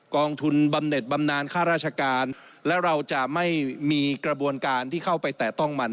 กองทุนบำเน็ตบำนานค่าราชการแล้วเราจะไม่มีกระบวนการที่เข้าไปแตะต้องมัน